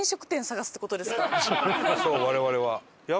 そう我々は。